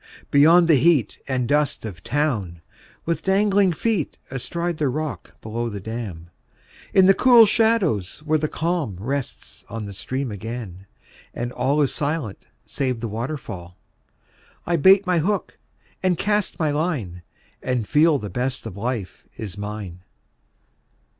Beyond the heat And dust of town, with dangling feet Astride the rock below the dam, In the cool shadows where the calm Rests on the stream again, and all Is silent save the waterfall, I bait my hook and cast my line, And feel the best of life is mine.